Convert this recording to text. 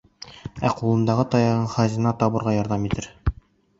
Ә ҡулындағы таяғың хазина табырға ярҙам итер.